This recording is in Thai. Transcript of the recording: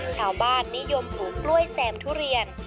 ชาวบ้านนิยมปลูกกล้วยแซมทุเรียน